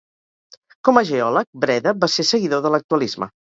Com a geòleg, Breda va ser seguidor de l'actualisme.